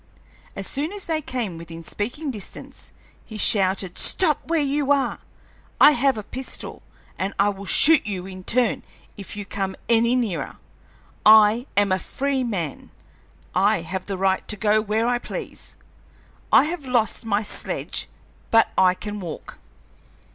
As soon as they came within speaking distance he shouted: "Stop where you are! I have a pistol, and I will shoot you in turn if you come any nearer. I am a free man! I have a right to go where I please. I have lost my sledge, but I can walk.